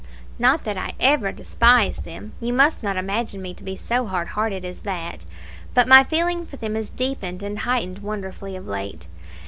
Not that I ever despised them you must not imagine me to be so hard hearted as that; but my feeling for them is deepened and heightened wonderfully of late.